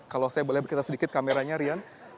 kalau saya boleh bercerita sedikit kameranya rian